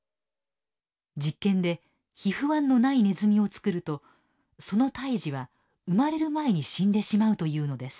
実験でＨＩＦ−１のないネズミをつくるとその胎児は生まれる前に死んでしまうというのです。